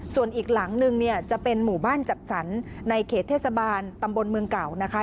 ส่วนอีกหลังนึงเนี่ยจะเป็นหมู่บ้านจัดสรรในเขตเทศบาลตำบลเมืองเก่านะคะ